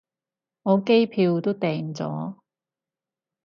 我機票都訂咗